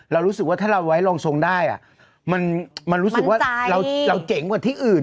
รู้สึกว่าถ้าเราไว้รองทรงได้มันรู้สึกว่าเราเจ๋งกว่าที่อื่น